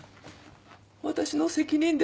私の責任です。